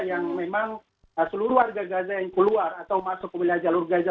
yang memang seluruh warga gaza yang keluar atau masuk ke wilayah jalur gaza